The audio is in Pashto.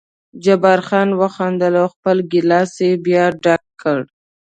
جبار خان وخندل او خپل ګیلاس یې بیا ډک کړ.